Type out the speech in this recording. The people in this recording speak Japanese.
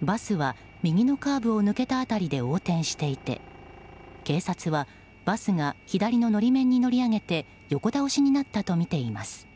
バスは右のカーブを抜けた辺りで横転していて警察はバスが左の法面に乗り上げて横倒しになったとみています。